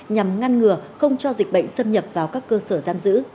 nhằm ngăn ngừa không cho dịch bệnh xâm nhập vào các cơ sở giam giữ